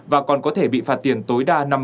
và còn có thể bị phạt tiền tối đa một mươi năm